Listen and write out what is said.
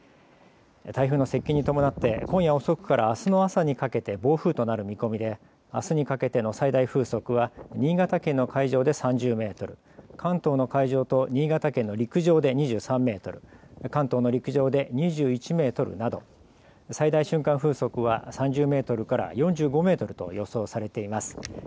台風の接近に伴って今夜遅くからあすの朝にかけて暴風となる見込みであすにかけての最大風速は新潟県の海上で３０メートル、関東の海上と新潟県の陸上で２３メートル、関東の陸上で２１メートルなど最大瞬間風速は３０メートルから４５メートルと予想されています。